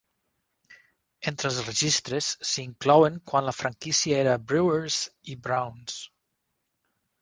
Entre els registres s"hi inclouen quan la franquícia era Brewers i Browns.